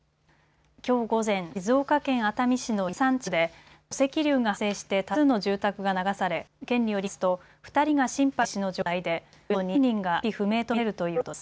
きょう午前、静岡県熱海市の伊豆山地区で土石流が発生して多数の住宅が流され県によりますと２人が心肺停止の状態で、およそ２０人が安否不明と見られるということです。